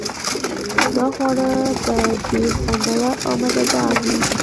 دا خواړه به ډیر خوندور او مزه دار وي